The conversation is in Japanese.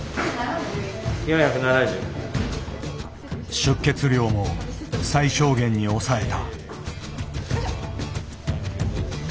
出血量も最小限に抑えた。